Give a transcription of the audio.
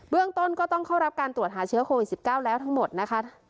เรื่องต้นก็ต้องเข้ารับการตรวจหาเชื้อโควิด๑๙แล้วทั้งหมดนะคะ